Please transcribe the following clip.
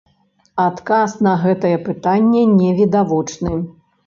Адказ на гэтае пытанне невідавочны.